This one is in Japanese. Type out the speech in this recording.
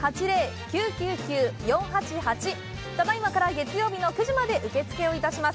ただいまから月曜日の９時まで受け付けをいたします。